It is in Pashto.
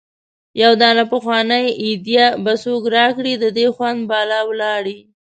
يو دانه پخوانۍ ايډي به څوک را کړي د دې خوند بالا ولاړی